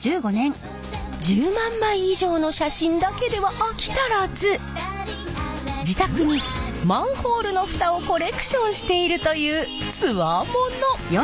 １０万枚以上の写真だけでは飽き足らず自宅にマンホールの蓋をコレクションしているというツワモノ！